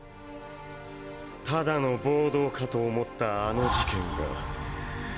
ただの暴動かと思ったあの事件が。